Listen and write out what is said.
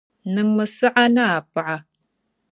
Niŋmi siɣa ni a paɣa.